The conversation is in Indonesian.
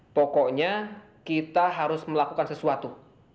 pokoknya kita harus melakukan sesuatu